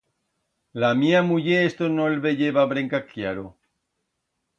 La mía muller esto no el veyeba brenca cllaro.